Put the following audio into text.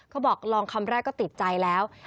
เขาบอกลองคำแรกก็ติดใจแล้ว